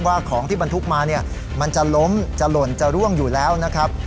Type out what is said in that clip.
ของที่บรรทุกมาเนี่ยมันจะล้มจะหล่นจะร่วงอยู่แล้วนะครับ